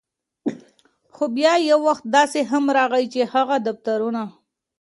خو بیا یو وخت داسې هم راغے، چې هغه دفترونه